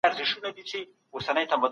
ارام ذهن مو له بې ګټي شخړو لیري ساتي.